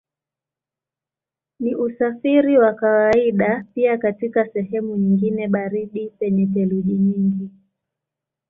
Ni usafiri wa kawaida pia katika sehemu nyingine baridi penye theluji nyingi.